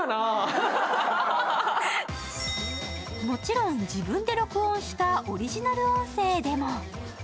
もちろん自分で録音したオリジナル音声でも。